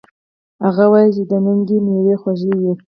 هغه وایي چې د نیکۍ میوه خوږه وي